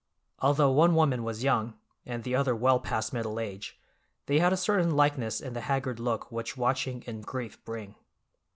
Although one woman was young, and the other well past middle age, they had a certain likeness in the haggard look which watching and grief bring.